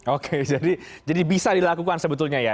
oke jadi bisa dilakukan sebetulnya ya